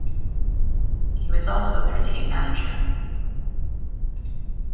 He also was their team manager.